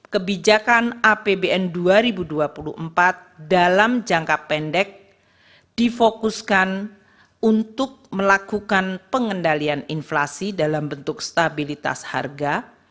kebijakan apbn dua ribu dua puluh empat dalam jangka pendek difokuskan untuk melakukan pengendalian inflasi dalam bentuk stabilitas harga